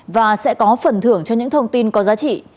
và sẽ có phần thưởng cho những thông tin có giá trị